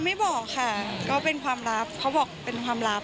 ไม่บอกค่ะก็เป็นความลับเขาบอกเป็นความลับ